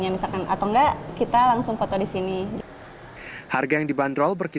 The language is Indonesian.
perangko ini dapat diperoleh di perangko yang berbeda